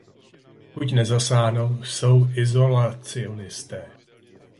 Pokud nezasáhnou, jsou izolacionisté.